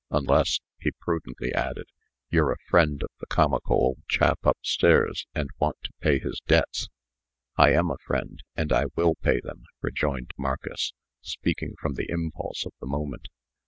Unless," he prudently added, "yer a friend of the comical old chap up stairs, and want to pay his debts." "I am a friend, and I will pay them," rejoined Marcus, speaking from the impulse of the moment.